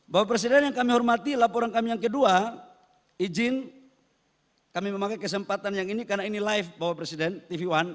bapak presiden yang kami hormati laporan kami yang kedua izin kami memakai kesempatan yang ini karena ini live bapak presiden tv one